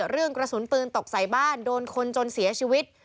เรื่องกระสุนปืนตกใส่บ้านโดนคนจนเสียชีวิต